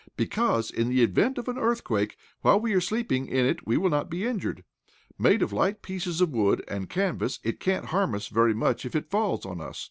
"Because, in the event of an earthquake, while we are sleeping in it, we will not be injured. Made of light pieces of wood and canvas it can't harm us very much if it falls on us."